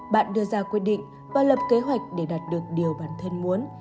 bạn đưa ra quyết định và lập kế hoạch để đạt được điều bản thân muốn